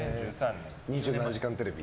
「２７時間テレビ」。